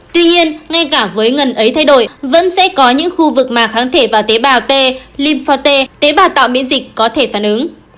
tuy nhiên ngay cả với ngần ấy thay đổi vẫn sẽ có những khu vực mà kháng thể vào tế bào t lympho t tế bào tạo biến dịch có thể phản ứng